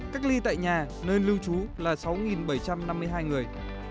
cách ly tại nhà nơi lưu trú là sáu bảy trăm năm mươi hai người